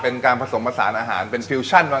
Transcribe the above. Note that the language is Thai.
เป็นผสมผสานอาหารเป็นฟิวชั่นน้อยนะเนี่ย